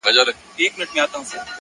پرمختګ د دوامداره هڅو نتیجه ده.